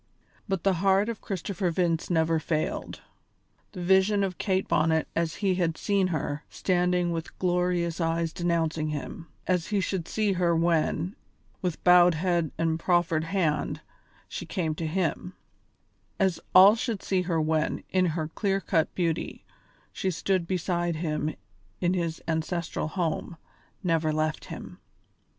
But the heart of Christopher Vince never failed. The vision of Kate Bonnet as he had seen her, standing with glorious eyes denouncing him; as he should see her when, with bowed head and proffered hand, she came to him; as all should see her when, in her clear cut beauty, she stood beside him in his ancestral home, never left him.